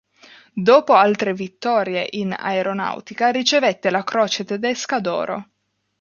Dopo altre vittorie in aeronautica ricevette la Croce Tedesca d'Oro.